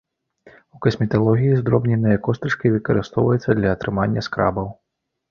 У касметалогіі здробненыя костачкі выкарыстоўваюцца для атрымання скрабаў.